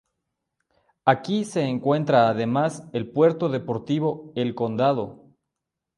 Aquí se encuentra además el puerto deportivo El Candado.